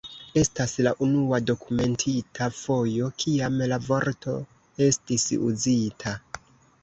Estas la unua dokumentita fojo, kiam la vorto estis uzita.